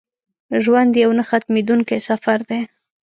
ژوند یو نه ختمېدونکی سفر دی.